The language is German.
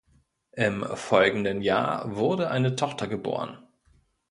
Im folgenden Jahr wurde eine Tochter geboren.